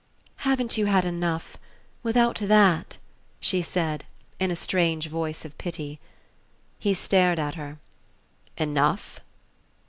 "Haven't you had enough without that?" she said, in a strange voice of pity. He stared at her. "Enough